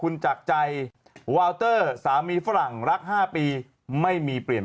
นอกใจแป๊บแป๊บแป๊บ